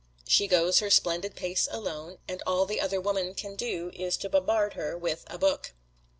She goes her splendid pace alone, and all the other woman can do is to bombard her with a book.